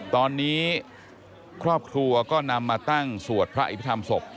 ตอนนี้ครอบครัวก็นำมาตั้งสวดพระอภิษฐรรมศพ